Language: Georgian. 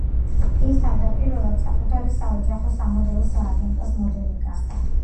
ის თავდაპირველად საკუთარი საოჯახო სამოდელო სააგენტოს მოდელი გახდა.